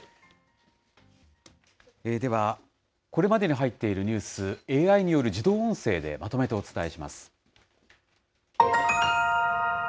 では、これまでに入っているニュース、ＡＩによる自動音声でまとめてお伝えします。